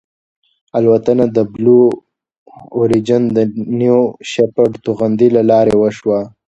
الوتنه د بلو اوریجن د نیو شیپرډ توغندي له لارې وشوه.